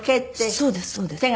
そうですそうです。